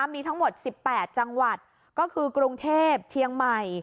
มีทั้งหมด๑๘จังหวัดก็คือกรุงเทพเชียงใหม่